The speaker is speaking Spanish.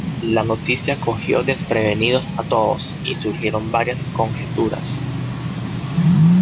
La noticia cogió desprevenidos a todos, y surgieron varias conjeturas.